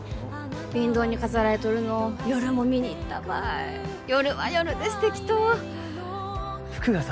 ウインドーに飾られとるのを夜も見に行ったばい夜は夜で素敵と服がさ